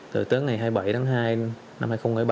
tới tớ ngày hai mươi bảy tháng hai năm hai nghìn ba